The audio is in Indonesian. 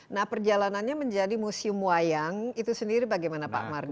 nah perjalanannya menjadi museum wayang itu sendiri bagaimana pak mardi